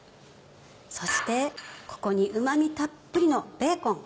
そしてここにうま味たっぷりのベーコン。